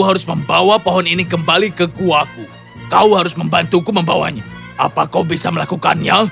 harus membawa pohon ini kembali ke guaku kau harus membantuku membawanya apa kau bisa melakukannya